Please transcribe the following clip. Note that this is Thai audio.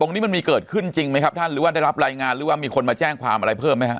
ตรงนี้มันมีเกิดขึ้นจริงไหมครับท่านหรือว่าได้รับรายงานหรือว่ามีคนมาแจ้งความอะไรเพิ่มไหมครับ